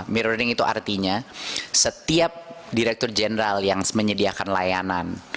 mirroring itu artinya setiap direktur jeneral yang menyediakan layanan